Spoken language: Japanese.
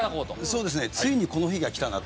そうですねついにこの日が来たなと。